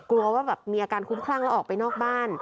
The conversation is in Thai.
กลัวว่าแบบมีอาการคุ้มคลั่งแล้วออกไปนอกบ้าน